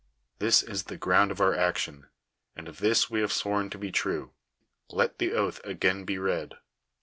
This is the ground of our action, and this we have sworn to be true. Let the oath again be read.